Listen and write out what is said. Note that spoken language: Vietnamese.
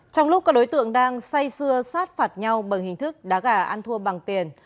trong lúc các đối tượng đang say xưa sát phạt nhau bằng hình thức đá gà ăn thua bằng tiền